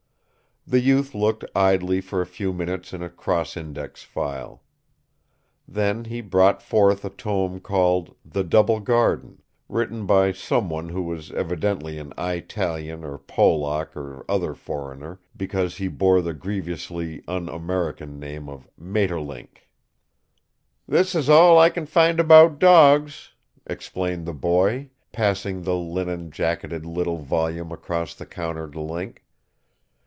The youth looked idly for a few minutes in a crossindex file. Then he brought forth a tome called "The Double Garden," written by someone who was evidently an Eyetalian or Polack or other foreigner, because he bore the grievously un American name of "Maeterlinck". "This is all I can find about dogs," explained the boy, passing the linen jacketed little volume across the counter to Link.